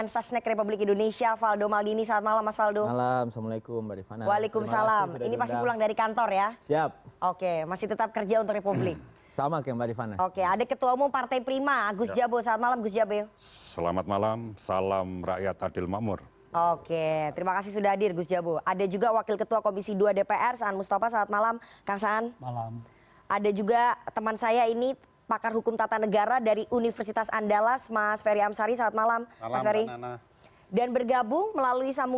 selamat malam mbak rifana